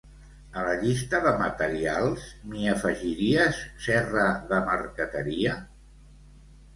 A la llista de materials m'hi afegiries serra de marqueteria?